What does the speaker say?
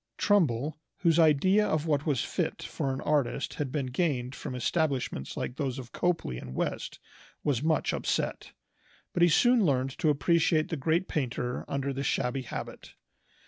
Trumbull, whose idea of what was fit for an artist had been gained from establishments like those of Copley and West was much upset. But he soon learned to appreciate the great painter under the shabby habit.